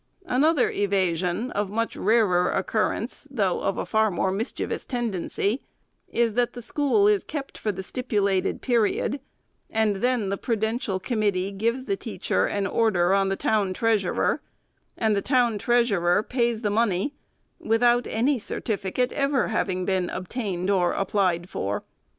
Another evasion of much rarer occurrence, though of a far more mischievous tendency, is, that the school is kept for the stipulated period, and then the prudential committee gives the teacher an order on the town treas urer, and the town treasurer pays the money, without any certificate ever having been obtained or applied for.